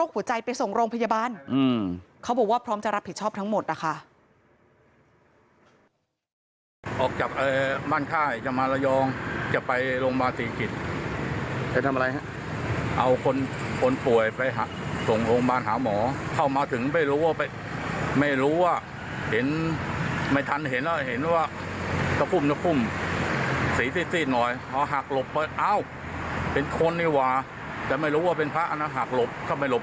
เขาบอกว่าพร้อมจะรับผิดชอบทั้งหมดนะคะ